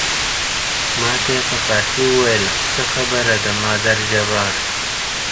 ما ته یې په فارسي وویل څه خبره ده مادر جبار.